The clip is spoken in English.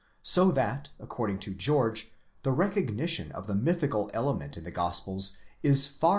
So that, according to George, the recognition of the mythical element in the Gospels is far less ® Ullmann, Recens.